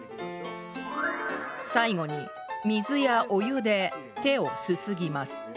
最後に水やお湯で手をすすぎます